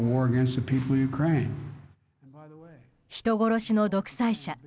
人殺しの独裁者。